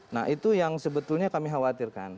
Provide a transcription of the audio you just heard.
nah itu yang sebetulnya kami khawatirkan